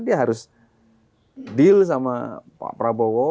dia harus deal sama pak prabowo